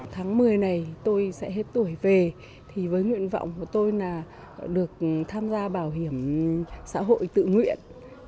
tháng một mươi này tôi sẽ hết tuổi về thì với nguyện vọng của tôi là được tham gia bảo hiểm xã hội tự nguyện